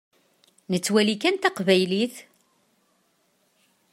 Nettwali kan taqbaylit.